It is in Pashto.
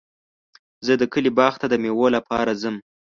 زه د کلي باغ ته د مېوو لپاره ځم.